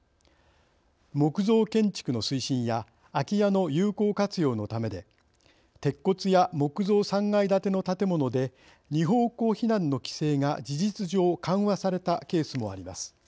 木造建築の推進や空き家の有効活用のためで鉄骨や木造３階建ての建物で２方向避難の規制が事実上緩和されたケースもあります。